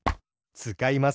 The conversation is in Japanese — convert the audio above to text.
つかいます！